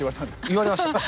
言われました。